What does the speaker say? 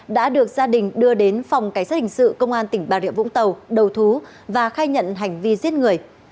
đã được gia đình đưa đến phòng cảnh sát hình sự công an tỉnh bà rịa vũng tàu đầu thú và khai nhận hành vi giết người